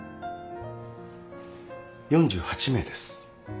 ４８名です。